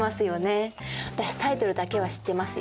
私タイトルだけは知ってますよ。